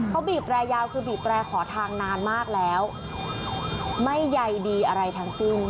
เขาบีบแรยาวคือบีบแร่ขอทางนานมากแล้วไม่ใยดีอะไรทั้งสิ้น